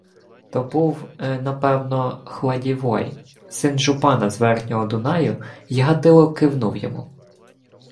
То був, напевно, Хладівой, син жупана з верхнього Дунаю, й Гатило кивнув йому.